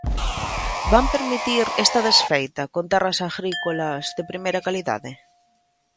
¿Van permitir esta desfeita con terras agrícolas de primeira calidade?